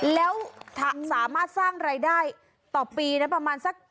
แล้วสามารถสร้างรายได้ต่อปีประมาณ๙๐๐๐๐๑๕๐๐๐๐บาท